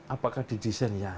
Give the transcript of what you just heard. apakah didesain ya